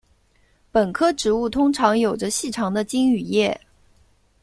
本科植物通常有着细长的茎与叶。